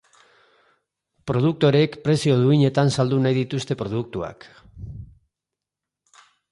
Produktoreek prezio duinetan saldu nahi dituzte produktuak.